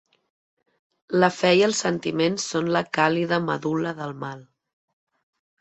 La fe i els sentiments són la càlida medul·la del mal.